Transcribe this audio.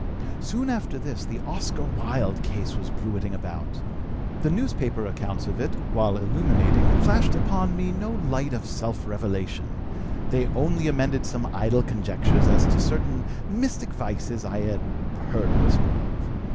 "Soon after this the Oscar Wilde case was bruiting about. The newspaper accounts of it, while illuminating, flashed upon me no light of self revelation; they only amended some idle conjectures as to certain mystic vices I had heard whispered of.